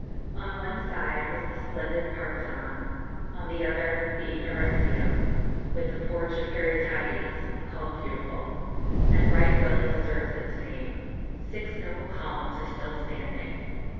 "On one side was the splendid Parthenon, on the other the Erechtheum, with the Porch of Caryatides, called Beautiful, and right well it deserves its name. Six noble columns are still standing.